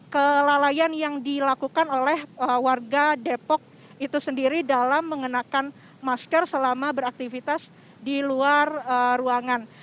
kelalaian yang dilakukan oleh warga depok itu sendiri dalam mengenakan masker selama beraktivitas di luar ruangan